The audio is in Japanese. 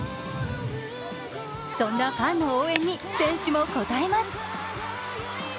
そんなファンの応援に選手も答えます。